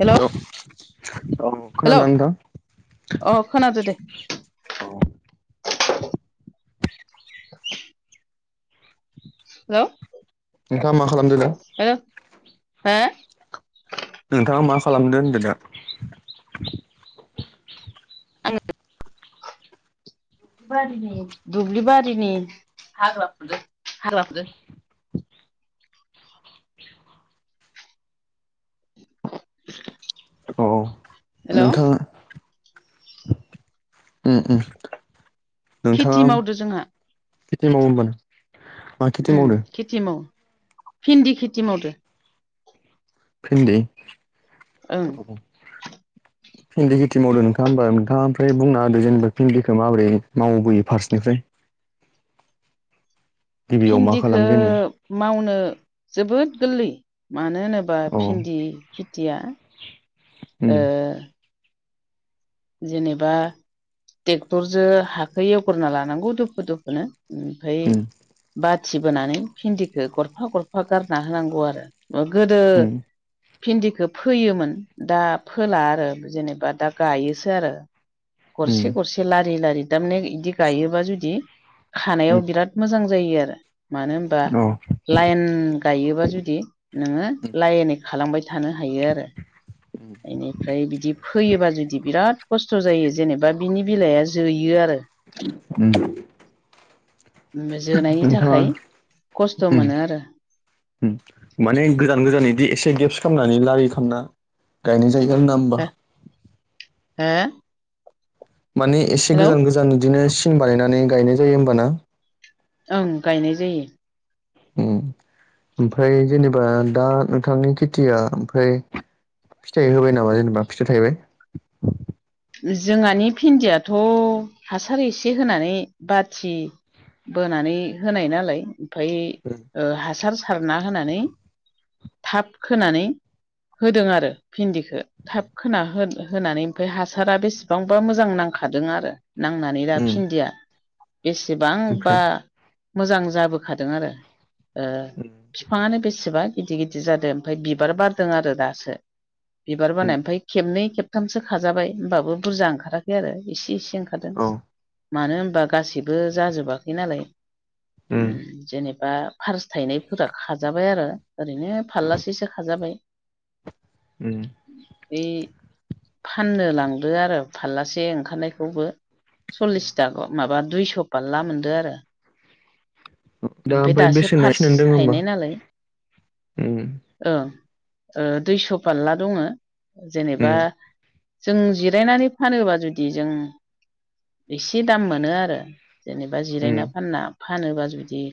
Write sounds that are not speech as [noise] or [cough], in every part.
हेल' औ हेल' औ खोना दोंना नोंथां अ खोनादो दे [inaudible] नोंथांङा मा खालामदों दा हो हो नोंथांङा मा खालामदों होनदों दा आङो [inaudible] बोर [unintelligible] दुब्लिबारिनि हाग्रा फुदों हाग्रा फुदो [inaudible] औ हेल' नोंथांङा उम‌ उम नोंथांङा खेथि मावदो जोंहा खेथि मावो ओमबा ना उम खेथि मावो भिन्दि खेथि मावदो भिन्दि ओं भिन्दि खेथि मावदो नोंथांङा होमबा नोंथांङा ओमफ्राय बुंना होदो जेनबा भिन्दिखौ माबोरै मावबोयो फार्स्टनिफ्राय गिबियाव मा भिन्दिखौ खालामजेनो मावनो जोबोद गोरलै मानो होनोबा औ भिन्दि खेथिया ओ उम जेनेबा ट्रेक्टरजों हाखो एवग्रना लानांगौ दुफु दुफुनो ओमफ्राय उम बाथि बोनानै भिन्दिखौ गरफा गरफा गारना होनांगौ आरो मा गोदो उम भिन्दिखौ फोयोमोन दा फोला आरो जेनेबा दा गायोसो आरो उम गरसे गरसे लारि लारि थारमाने बिदि गायोबा जुदि उम खानायाव बिराद मोजां जायो आरो मानो होनबा औ लाइन गायोबा जुदि नोंङो लाइनै खालामबाय थानो हायो आरो बेनिफ्राय बिदि फैयोबा जुदि बिराद खस्थ' जायो जेनेबा बिनि बिलाइआ जोयो आरो [unintelligible] जोनायनि नोंथाङा थाखाय खस्थ' उम मोनो आरो माने गोदान गोजान बिदि एसे गेप्स खालामनानै लारि खालामना गायनाय जायोैग ना होमबा ओ माने एसे गोजान गोजान बिदिनो सिन बानायनानै गायनाय जायो होमबाना ओं गायनाय जायो ओमफ्राय जेनेबा दा नोंथांनि खेथिया ओमफ्राय फिथाइ होबाय नामा जेनेबा फिथाइ थाहबाय जोंहानि भिन्दियाथ' हासार एसे होनानै बाथि बोनानै होनाय नालाय ओमफ्राय हासार सारना होनानै थाब खोनानै होदों आरो भिन्दिखौ थाब खोना होनानै ओमफाय हासारा बेसेबांबा मोजां नांखादों आरो नांनानै दा उम भिन्दिया बेसेबांबा ओमफ्राय मोजां जाबोखादों आरो बिफाङानो बेसेबां गिदिर गिदिर जादों ओमफफ्राय बिबार बारदों आरो दासो बिबार उम बारनाय ओमफ्राय खेबनै खेब थामसो खाजाबाय होनोमबाबो बुरजा ओंखाराखै आरो इसे इसे ओंखारदों औ मानो होनबा गासैबो जाजोबाखै नालाय उम जेनेबा एबा फारस थायनायफोरा खाजाबाय आरो ओरैनो फाललासेसो खाजाबाय [inaudible] उम फाननो लांदो आरो फारलासे ओंखारनायखौबो सल्लिसथा माबा दुइस' फारला मोनदो आरो दा ओमफ्राय दासो बेसेना फार्स्ट खिनानै दङ होमबा थायनाय नालाय उम ओं दुइस' फारला दङ जेनेबा उम जों जिरायनानै फानोब्ला जुदि जों एसे दाम मोनो आरो जेनेबा जिरायना उम फानना फानोबा जुदि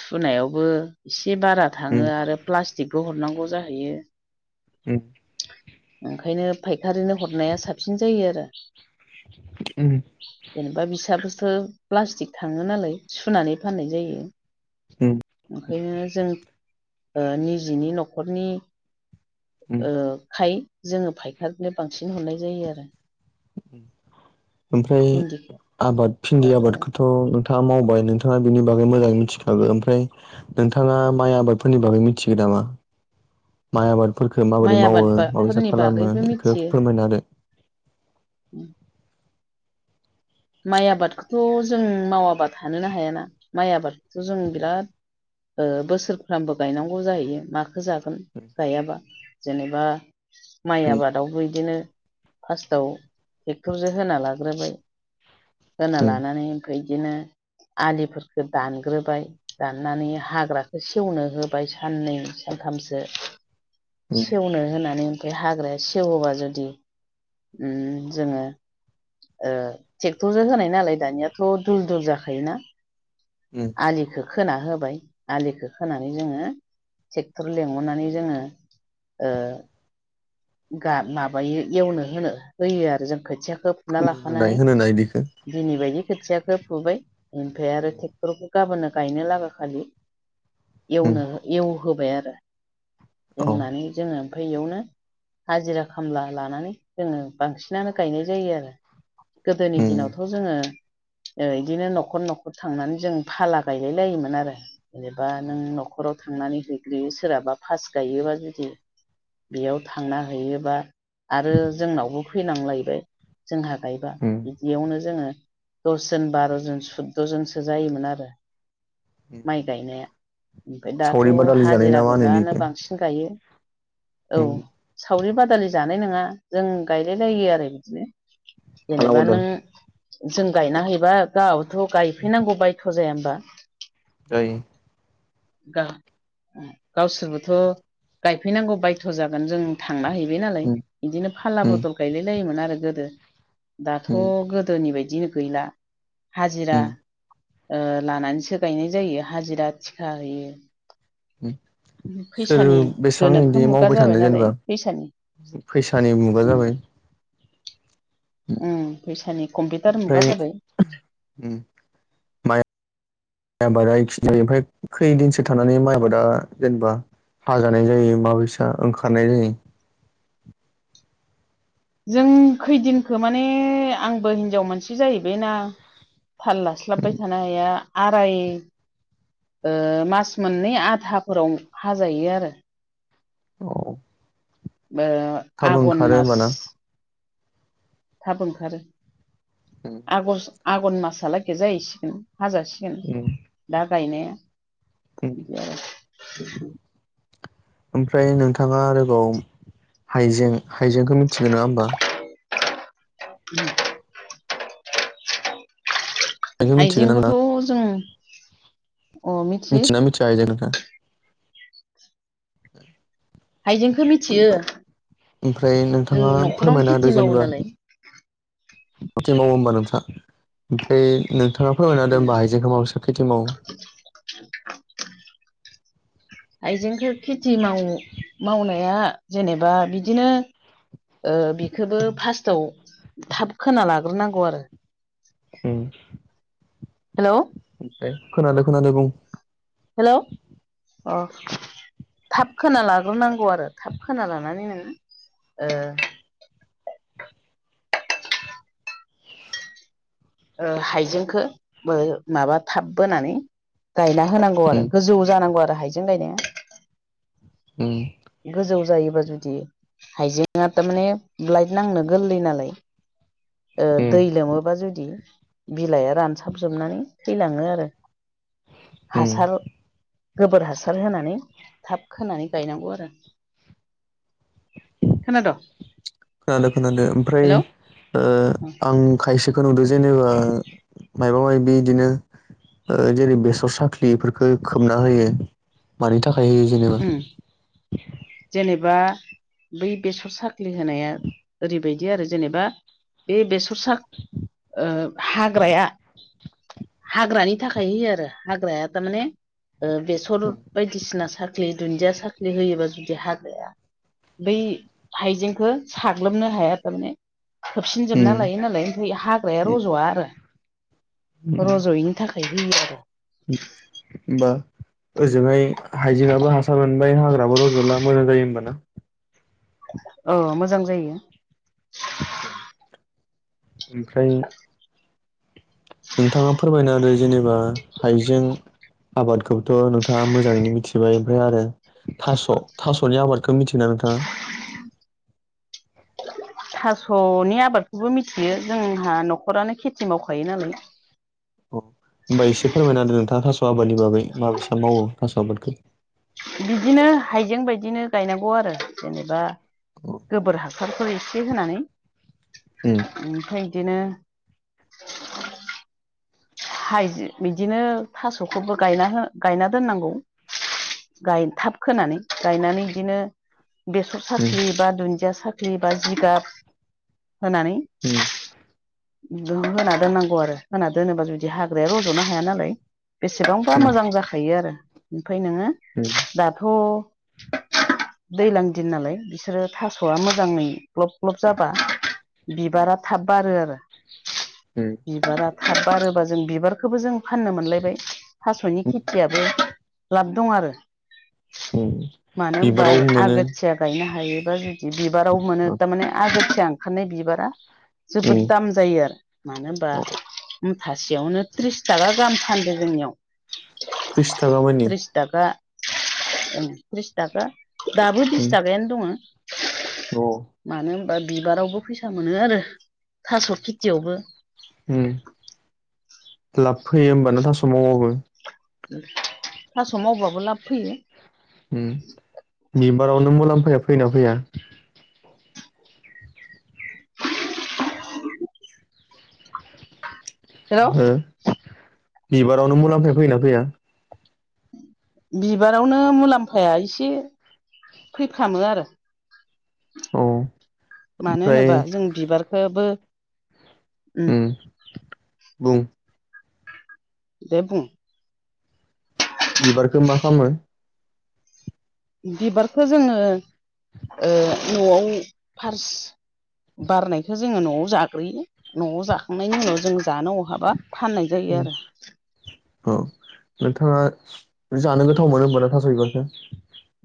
सुनायावबो एसे बारा उम थाङो आरो प्लाटिकबो हरनांगौ जाहैयो उम ओंखायनो फायखारिनो हरनाया साबसिन जायो आरो उम जेनेबा बिसाबोथ' प्लास्टिक थाङो नालाय सुनानै फाननाय जायो उम ओंखायनो जों निजेनि न'खरनि उम ओ खाय जोङो फाइकनो बांसिन हरनाय जायो आरो ओमफ्राय भिन्दिखौ आबाद भिन्दि दाथ' आबादखौथ' थ' नोंथाङा मावबाय नोंथाङा बेनि बागै मोजाङै मिथिखागो ओमफ्राय नोंथाङा माइ आबादफोरनि बागै मिथिगौ नामा माइ आबादफोरखौ माबोदि माइ मावो आबाद बा माबायसा फोरनि खालामो बागैबो बेखौ फोरमायना होदो उम माइ आबादखौथ' जों मावाबा थानोनो हायाना माइ आबादखौथ' जों बिराद बोसोरफ्रामबो गायनांगौ जाहैयो माखो जागोन गायाबा जेनेबा माइ उम आबाद बो बिदिनो फार्स्टआव ट्रेक्टरजों होना लाग्रोबाय होना उम लानानै ओमफ्राय बिदिनो आलिफोरफोरखौ दानग्रोबाय दाननानै हाग्राखौ सेवनो होबाय साननै सानथामसो औ सेवनो होनानै ओमफ्राय हाग्राया सेवोबा जुदि जोङो क्टरजों होनाय नालाय दानियाथ' दुल दुल जाखायोना उम आलिखौ खोना होबाय आलिखौ खोनानै जोङो ट्रेक्टर लिंहरनानै जोङो ओ माबायो एवनो होनो होयो आरो जों खोथियाखौ फुना फोमोनहोनाय लाखानानै होनोना इदिखो दिनै बायदि खोथियाखौ फुबाय ओमफ्राय आरो ट्रेक्टरखौ गाबोननो गायनो लागा खालि उम एनो एवहोबाय आरो औ एवनानै जोङो ओमफ्राय इयावनो हाजिरा खामला लानानै जोङो बांसिनानो गायनाय जायो आरो गोदोनि उम दिनावथ' जोङो इदिनो न'खर न'खर थांनानै जों फाला गायलाय लायोमोन आरो जेनेबा नों न'खराव थांनानै हैग्रोयो सोरहाबा फास्ट गायोबा जुदि बेयाव थांना हैयो बा आरो जोंनावबो फैनांलायबाय जोंहा गायबा उम बिदियावनो जोङो दसजोन बार'जोन सुद्द' जोनसो जायोमोन आरो उम माइ गायनाया ओमफ्राय दाथ' जानाय ना हाजिरा मा होनो गोजानो इदिखो बांसिन गायो औ उम सावरि बादालि जानाय नङा जों गायलायलायो आरो बिदिनो फाला जेनेबा बदल नों जों गायना हैबा गथ' गायफैनांगौ बायथ' जाया होमबा ओइ गा गावसोरबोथ' गायफैनांगौ बायथ' जागोन जों थांना हैबाय नालाय उम बिदिनो फाल्ला उम बदल गायलाय लायोमोन आरो गोदो दाथ' उम गोदोनि बायदिनो गैला हाजिरा उम लानानैसो गायनाय जायो हाजिरा थिखा हैयो सोर बेसेबां गोनोखो बिदि मुगा मावबाय जाबाय थानो नालाय जेनेबा फैसानि फैसानि मुगा उम जाबाय उम फैसानि कम्पिउटार मुगा जाबाय उम आबादा [unintelligible] खैदिनसो थानानै माइ आबादा जेनेबा हाजानाय जायो माबैसा ओंखारनाय जायो जों खैदिनखो माने आंबो हिनजाव मानसि जाहैबायना थाल लास्लाबबाय थानो हाया आराय मास मोननै आधाफोराव हाजायो आरो औ बे थाब ओंखारो ना थाब ओंखारो आगस आघन मासलागै जाहैसिगोन हाजासिगोन उम दा गायनाया बिदि आरो [unintelligible] ओमफ्राय नोंथाङा आरोबाव हाइजें हाइजेंखौ मिथिगोन नङा होमबा [inaudible] हाइजेंखौ मिथिगोन ना नोंथाङा आइजेंखौथ' जों अ मिथियो मिथियोना मिथिया हायजें नोंथाङा हाइजेंखौ मिथियो ओमफ्राय जों नोंथाङा न'खरावनो फोरमायना खेथि होदो मावो जेनेबा नालाय खेथि मावो होमबा नोंथाङा ओमफ्राय नोंथाङा फोरमायना होदो उम होमबा हाइजेंखौ माबायसा खेथि मावो [inaudible] हाइजेंखौ खेथि माव-मावनाया जेनेबा बिदिनो ओ बिखोबो फार्स्टआव थाब खोना लाग्रोनांगौ आरो उम हेल' ओमफ्राय खोनादो खोनादो बुं हेल' अ थाब खोना लाग्रोनांगौ आरो थाब खोना लानानै नोङो ओ ओ हाइजेंखो बो माबा थाब बोनानै गायना होनांगौ उम आरो गोजौ जानांगौ आरो हाइजें गायनाया उम गोजौ जायोबा जुदि हाइजेंआ थामाने ब्लाइट नांनो गोरलै नालाय ओ उम दै लोमोबा जुदि बिलाइआ रानसाबजोबनानै थैलाङो आरो उम हासार गोबोर हासार होनानै थाब खोनानै गायनांगौ आरो खोनाद खोनादो खोनादो ओमफ्राय हेलौ ओ [unintelligible] आं खायसेखो नुदो जेनेबा मायबा मायबि इदिनो ओ जेरै बेसर साख्लि इफोरखो खोबना होयो मानि थाखाय होयो जेनेबा उम जेनेबा बै बेसर साख्लि होनाया ओरैबायदि आरो जेनेबा बे बेस र सा ओ हाग्राया हाग्रानि थाखाय होयो आरो हाग्राया थामाने ओ बेसर बायदिसिना साख्लि दुन्दिया साख्लि होयोबा जु दि हाग्राया बै हाइजेंखो साग्लोबनो हाया थामाने खोबसिनजोबना उम लायो नालाय बै हाग्राया रजवा आरो रजयैनि थाखाय होयो आरो उम ओमबा ओजोंहाय हाइजेङाबो हासार मोनबाय हाग्राबो रजला मोजां जायो होमबाना औ मोजां जायो ओमफ्राय नोंथाङा फोरमायना होदो जेनेबा हाइजें आबादखौथ नोंथाङा मोजाङैनो मिथिबाय ओमफ्राय आरो थास थासनि आबाद खो मिथियोना नोंथाङा थासनि आबादखौबो मिथियो जोंहा न'खरानो खेथि मावखायो नालाय अ होमबा एसे फोरमायना होदो नोंथाङा थास आबादनि बागै माबैसा मावो थास आबादखो बिदिनो हाइजें बायदिनो गायनांगौ आरो जेनेबा गोबोर हासारफोर एसे होनानै उम ओमफ्राय इदिनो हाइजे बिदिनो थासखौबो गायना हो गायना दोननांगौ गाय थाब खोनानै गायनानै इदिनो बेसर उम साख्लि बा दुन्दिया साख्लि बा जिगाब होनानै उम होना दोननांगौ आरो होना दोनोबा जुदि हाग्राया रजनो हाया नालाय बेसेबांबा उम मोजां जाखायो आरो ओमफाय नोङो उम दाथ दैज्लां दिन नालाय बिसोरो थासआ मो मोजाङै ग्लब ग्लब जाबा बिबारा थाब बारो आरो उम बिबारा थाब बारोबा जों बिबारखौबो जों फाननो मोनलायबाय थासनि उम खेथियाबो लाब दं आरो उम मानो होनबा बिबाराव मोनो आगोथिया गायनो हायोबा जुदि बिबाराव मोनो थारमाने आगोथिया ओंखारनाय बिबारा जोबोद उम दाम जायो आरो मानो होनबा मुथासेयावनो त्रिस थाखा गाहाम फानदो जोंनियाव त्रिस थाखा मानि बिसथाखा त्रिसथाखा दाबो बिस उम थाखायानो दङ अ मानो होमबा बिबारावबो फैसा मोनो आरो थास खेथियावबो उम लाब फैयो होमबा न थास मावोबाबो थास मावबाबो लाब फैयो उम बिबारावनो मुलाम्फाया फैयोना फैया [inaudible] जेराव हो बिबारावनो मुलाम्फाया फैना फैया? बिबारावनो मुलाम्फाया एसे फैफ्रामो आरो। औ। मानो ओमफ्राय होनोबा जों बिबारखौबो उम अ दे [unintelligible] बिबारखो मा खामो? बिबारखौ जोङो ओ न'वाव फार्सनो बारनायखो जोङो न'वाव जाग्रोयो न'वाव जाखांनायनि उनाव जोंङो दानो अहाबा फाननाय जायो आरो औ नोंथाङा जानो गोथाव मोनो होमबाय थास' बिबारखौ?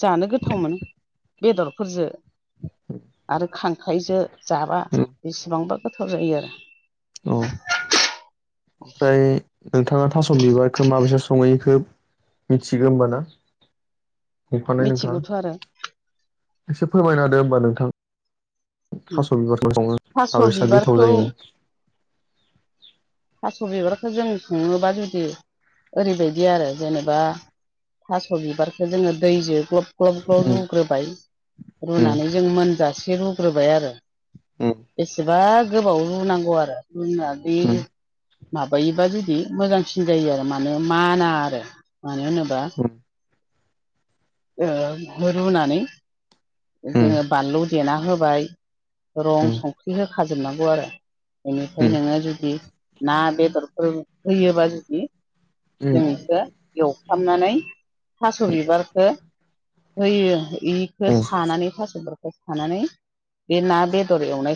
जानो गोथाव मोनो बेदरफोरजों आरो खांख्राइजों जाबा बेसेबांबा गोथाव जायो आरो। औ [unintelligible] ओमफ्राय नोंथाङा थास' बिबारखौ माबैसा सङो एखो मिथिगो होमबाना? हमफानाय मिथिगौथ' आरो नोंथाङा एसे फोरमायना होदो होमबा नोंथां थास' बिबारफोर संङो थास' माबैसा गोथाव बिबारखौ जायो थास' बिबारखौ जों सङोबा जुदि ओरैबायदि आरो। जेनेबा थास' बिबारखो जोङो दैजों ग्लब ग्लब ग्लब उम रुग्रोबाय। उम रुनानै जों मोनजासे रुग्रोबाय आरो उम बेसेबा गोबाव रुनांगौ आरो रुना बे उम उम माबायोबा जुदि मोजांसिन जायो आरो मानो माना आरो मानो होनोब्ला उम जोङो रुनानै उम जोङो बानलु देना होबाय रं संख्रि होखाजोबनांगौ आरो। बेनिफ्राय उम नोङो जुदि ना बेदरफोर होयोबा जुदि उम जों बेखौ एवफ्रामनानै थास' बिबारखौ होयो इखो उम सानानै थास'फोरखौ सानानै बे ना बेदर एवनायखौ